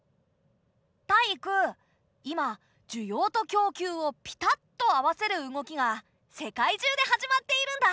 タイイク今需要と供給をピタッとあわせる動きが世界中で始まっているんだ。